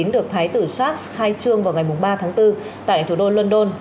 được thái tử shat khai trương vào ngày ba tháng bốn tại thủ đô london